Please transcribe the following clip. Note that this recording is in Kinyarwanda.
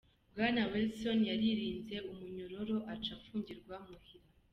Bwana Wilson yaririnze umunyororo, aca afungigwa muhira.